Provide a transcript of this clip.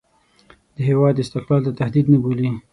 د هېواد استقلال ته تهدید نه بولي.